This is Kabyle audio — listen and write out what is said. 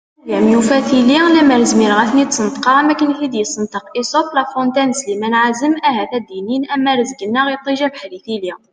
Lmal agugam yufa tili, lemmer zmireɣ ad ten-id-sneṭqeɣ am akken i ten-id-yessenṭeq Esope, La Fontaine d Slimane Ɛazem ahat ad d-inin : am rrezg-nneɣ iṭij, abeḥri, tili!